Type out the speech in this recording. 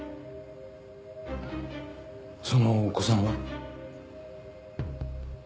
そのお子さんは？